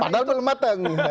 padahal belum mateng